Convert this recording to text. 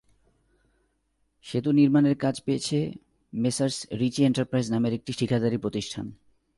সেতু নির্মাণের কাজ পেয়েছে মেসার্স রিচী এন্টারপ্রাইজ নামে একটি ঠিকাদারি প্রতিষ্ঠান।